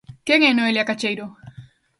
Quen é Noelia Cacheiro?